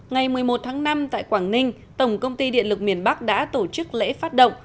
ngày một mươi một tháng năm tại quảng ninh tổng công ty điện lực miền bắc đã tổ chức lễ phát động